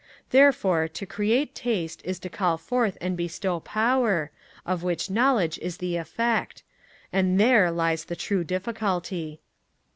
Therefore to create taste is to call forth and bestow power, of which knowledge is the effect; and there lies the true difficulty.